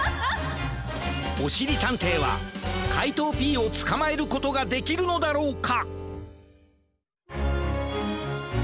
おしりたんていはかいとうＰをつかまえることができるのだろうか！？